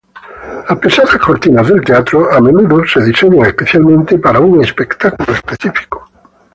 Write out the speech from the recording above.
Las pesadas cortinas del Teatro a menudo se diseñan especialmente para un espectáculo específico.